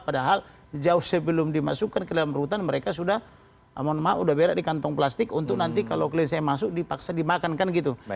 padahal jauh sebelum dimasukkan ke dalam rutan mereka sudah mohon maaf sudah beres di kantong plastik untuk nanti kalau klien saya masuk dipaksa dimakan kan gitu